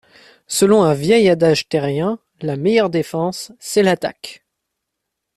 Selon un vieil adage terrien, la meilleure défense, c'est l'attaque…